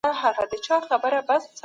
یو بلبل و د ښکاري دام ته لوېدلی